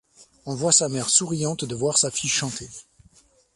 On voit sa mère souriante de voir sa fille chanter.